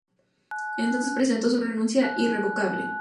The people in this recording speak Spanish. Entonces presentó su renuncia irrevocable.